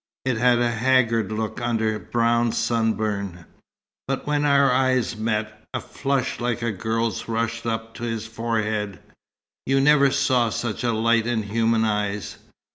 It had a haggard look under brown sunburn. But when our eyes met, a flush like a girl's rushed up to his forehead. You never saw such a light in human eyes!